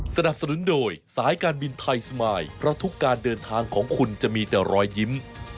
สนับสนุนโดยสายการบินไทยสมายเพราะทุกการเดินทางของคุณจะมีแต่รอยยิ้ม